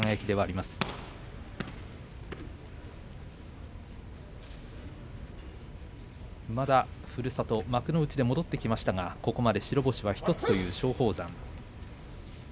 まだふるさと幕内で戻ってきましたが白星はここまで１つという松鳳山。